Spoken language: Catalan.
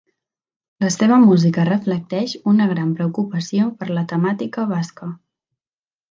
La seva música reflecteix una gran preocupació per la temàtica basca.